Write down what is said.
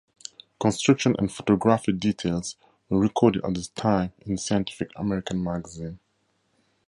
Construction and photographic details were recorded at the time in Scientific American magazine.